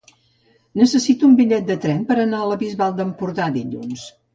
Necessito un bitllet de tren per anar a la Bisbal d'Empordà dilluns.